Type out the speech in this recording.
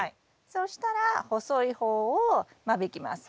そしたら細い方を間引きます。